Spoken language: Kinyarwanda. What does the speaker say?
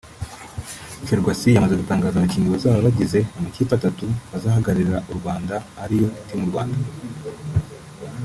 Ferwacy yamaze gutangaza abakinnyi bazaba bagize amakipe atatu azahagararira u Rwanda ari yo Team Rwanda